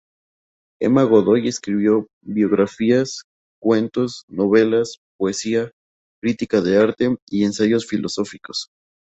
Emma Godoy escribió biografías, cuentos, novelas, poesía, crítica de arte y ensayos filosóficos.